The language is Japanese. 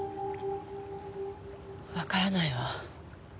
わからないわ。